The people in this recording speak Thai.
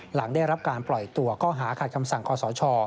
หลังได้รับการปล่อยตัวข้อหาขาดคำสั่งคอสช